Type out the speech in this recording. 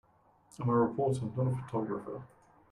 I'm a reporter not a photographer.